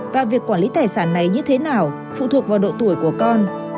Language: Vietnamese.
và việc quản lý tài sản này như thế nào phụ thuộc vào độ tuổi của con